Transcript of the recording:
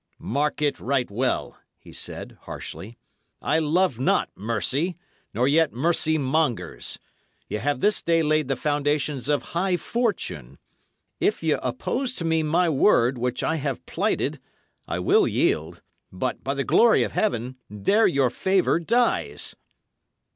"Mark it right well," he said, harshly. "I love not mercy, nor yet mercymongers. Ye have this day laid the foundations of high fortune. If ye oppose to me my word, which I have plighted, I will yield. But, by the glory of heaven, there your favour dies!